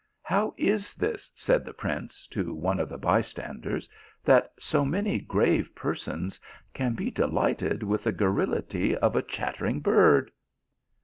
" How is this," said the prince to one of the by standers, " that so many grave persons can be de lighted with the garrulity of a chattering bird